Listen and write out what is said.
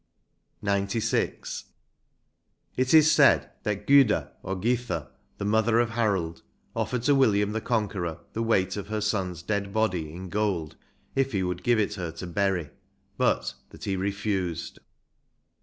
192 XCVI. It is said that Gyda, or Githa, the mother of Harold, oflfered to William the Conqiieror the weight of her son's dead body in gold if he would give it her to bury, but that he refused.